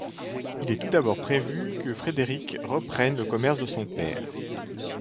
Il est tout d'abord prévu que Frédéric reprenne le commerce de son père.